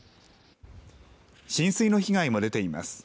浸水の被害も出ています。